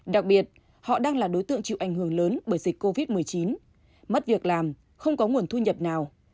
đặc biệt họ đang là đối tượng chịu ảnh hưởng lớn bởi dịch covid một mươi chín mất việc làm không có nguồn thu nhập nào